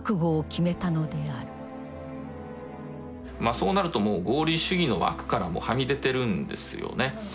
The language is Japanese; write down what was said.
そうなるともう合理主義の枠からもはみ出てるんですよね。